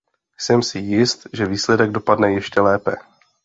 Jsem si jist, že výsledek dopadne ještě lépe.